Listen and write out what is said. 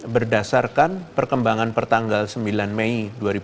berdasarkan perkembangan per tanggal sembilan mei dua ribu dua puluh satu